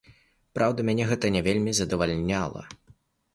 Праўда, мяне гэта не вельмі задавальняла.